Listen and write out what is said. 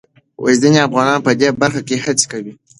ځينې افغانان په دې برخه کې هڅې کوي.